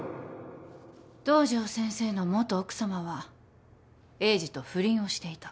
堂上先生の元奥さまは栄治と不倫をしていた。